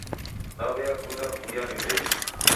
Naw'eakunda kuw'uya nyumbenyi.